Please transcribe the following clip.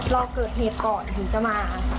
รอเกิดเหตุก่อนถึงจะมา